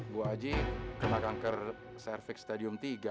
bu aji kena kanker cervix stadium tiga